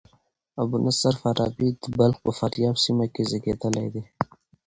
ابو نصر فارابي د بلخ په فاریاب سیمه کښي زېږېدلى دئ.